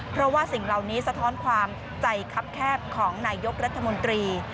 เพราะว่าสิ่งเหล่านี้สะท้อนความใจคับแคบของนายยกรัฐมนตรี